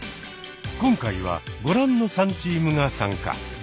今回はご覧の３チームが参加。